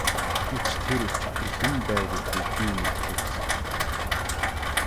Гэвч тэр өчигдөр хэн байв гэдгийг би мэдэхийг хүсэж байна.